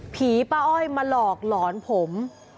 ผีป้าอ้อยมาหลอกหลอนผม